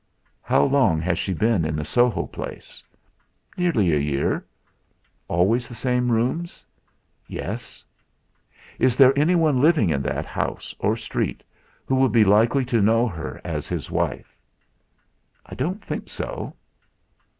"How long has she been at the Soho place?" "Nearly a year." "Always the same rooms?" "Yes." "Is there anyone living in that house or street who would be likely to know her as his wife?" "I don't think so."